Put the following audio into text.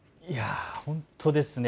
本当ですね。